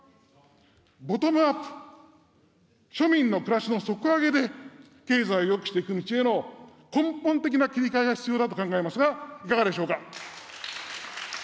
ボトムアップ・庶民の暮らしの底上げで経済をよくしていく道への根本的な切り替えが必要だと考えますが、いかがでしょうか。